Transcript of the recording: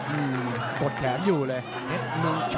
อืมกดแข็งอยู่เลย